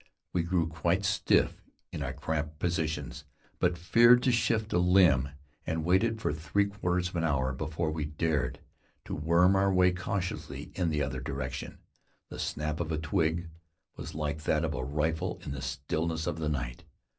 We grew quite stiff in our cramped positions, but feared to shift a limb and waited for three quarters of an hour before we dared to worm our way cautiously in the other direction. The snap of a twig was like that of a rifle on the stillness of the night.